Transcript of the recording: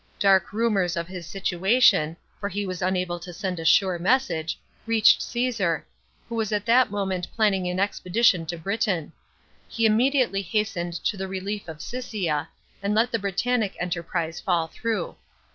Dark rumours of his situation, for he was unable to send a sure message, reached Caesar, who was at that moment planning an expedition to Britain. He immediately hastened to the relief of Siscia, and let the Britannic enterprise fall through.